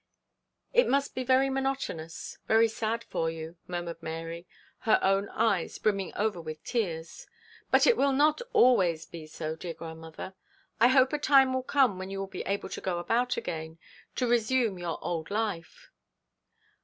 'It must be very monotonous, very sad for you,' murmured Mary, her own eyes brimming over with tears. 'But it will not be always so, dear grandmother. I hope a time will come when you will be able to go about again, to resume your old life.'